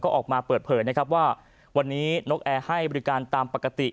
ก็ออกมาเปิดเผยนะครับว่าวันนี้นกแอร์ให้บริการตามปกติ